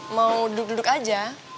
mau duduk duduk aja